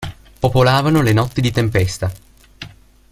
Popolavano le notti di tempesta.